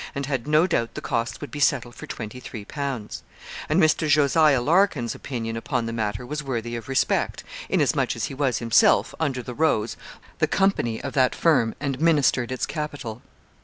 and had no doubt the costs would be settled for twenty three pounds. And Mr. Jos. Larkin's opinion upon the matter was worthy of respect, inasmuch as he was himself, under the rose, the 'Co.' of that firm, and ministered its capital.